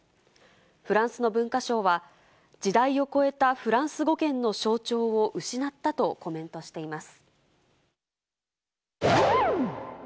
フランスの文化省は、時代を超えたフランス語圏の象徴を失ったとコメントしています。